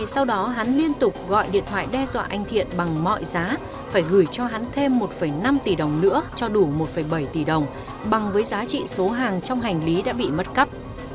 sau đó hắn liên tục gọi điện thoại đe dọa anh thiện bằng mọi giá phải gửi cho hắn thêm một năm tỷ đồng nữa cho đủ một bảy tỷ đồng bằng với giá trị số hàng trong hành lý đã bị mất cắp